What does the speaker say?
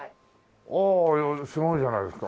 おおすごいじゃないですか。